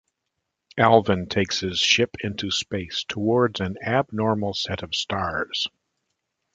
Alvin takes his ship into space, towards an abnormal set of stars.